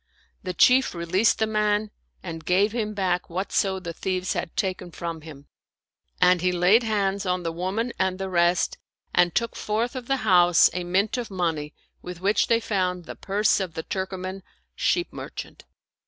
The Chief re leased the man and gave him back whatso the thieves had taken from him ; and he laid hands on the woman and the rest and took forth of the house a mint of money, with which they found the purse of the Turkoman sheep merchant.